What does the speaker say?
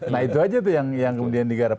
nah itu aja tuh yang kemudian digarap